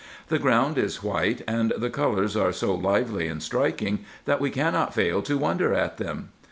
The ground is white, and the colours are so lively and striking, that we cannot fail to wonder at them.